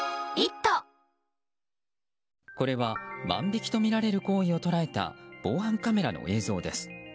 これは万引きとみられる行為を捉えた防犯カメラの映像です。